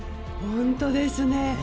本当ですね。